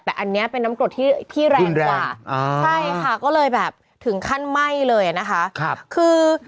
แต่อันนี้เป็นน้ำกรดที่แรงกว่าใช่ค่ะก็เลยแบบถึงขั้นไหม้เลยนะคะคือ